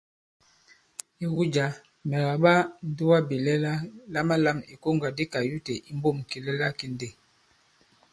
Ìwu jǎ, mɛ̀ kàɓa ǹdugabìlɛla, lamalam ìkoŋgà di kayute i mbǒm kìlɛla ki ndê.